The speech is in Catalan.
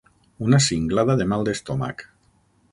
Una cinglada de mal d'estómac.